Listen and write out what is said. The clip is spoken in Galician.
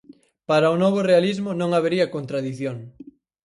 Para o novo realismo non habería contradición.